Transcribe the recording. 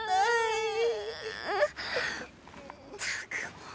ったくもう。